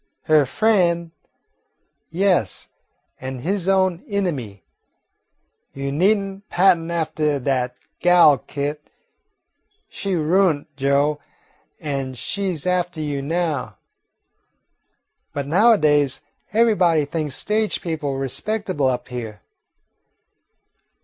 "Her frien', yes, an' his own inimy. You need n' pattern aftah dat gal, Kit. She ruint Joe, an' she 's aftah you now." "But nowadays everybody thinks stage people respectable up here."